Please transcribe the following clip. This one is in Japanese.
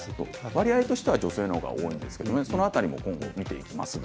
割合としては女性のほうが多いんですけどその辺りも見ていきます。